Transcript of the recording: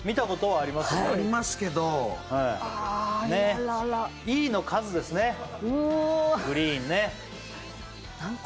ありますけどはいねっ「ｅ」の数ですねグリーンね何個？